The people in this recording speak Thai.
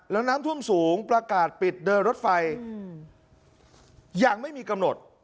แล้วน้ำท่วมสูงประกาศปิดเดินรถไฟยังไม่มีกำหนด